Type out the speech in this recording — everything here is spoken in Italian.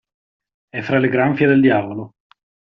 È fra le granfie del diavolo.